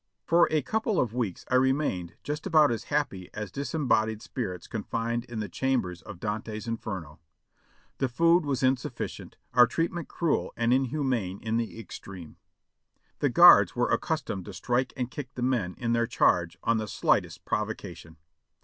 For a couple of weeks I remained just about as happy as dis embodied spirits confined in the chambers of Dante's "Inferno." The food was insufficient, our treatment cruel and inhuman in the extreme. The guards were accustomed to strike and kick the men in their charge on the slightest provocation.